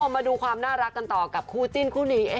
มาดูความน่ารักกันต่อกับคู่จิ้นคู่นี้